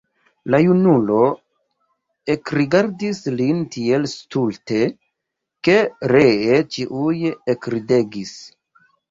La junulo ekrigardis lin tiel stulte, ke ree ĉiuj ekridegis.